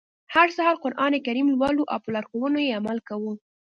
هر سهار قرآن کریم لولو او په لارښوونو يې عمل کوو.